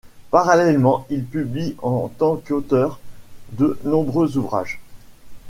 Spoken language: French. Parallèlement, il publie, en tant qu'auteur, de nombreux ouvrages.